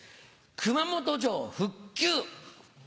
熊本城復旧。